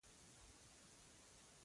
نورو کاڼو بوټو به څومره ژړلي وي.